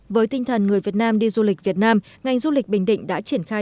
với tinh thần người việt nam đi du lịch việt nam ngành du lịch bình định đã triển khai